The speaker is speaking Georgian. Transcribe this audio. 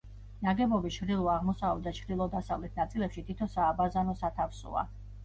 ნაგებობის ჩრდილო-აღმოსავლეთ და ჩრდილო-დასავლეთ ნაწილებში თითო სააბაზანო სათავსოა.